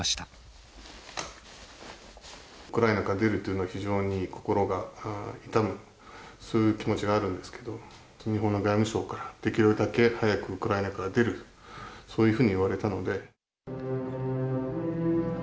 ウクライナから出るというのは、非常に心が痛む、そういう気持ちがあるんですけど、日本の外務省からできるだけ早くウクライナから出る、そういうふうに言われたので。